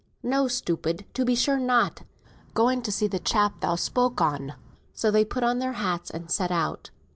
"No, stupid, to be sure not. Going to see the fellow thou spoke on." So they put on their hats and set out.